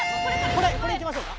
これいきましょうか！